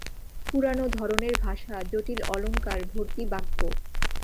পুরানাে ধরনের ভাষা, জটিল অলংকার ভর্তি বাক্য।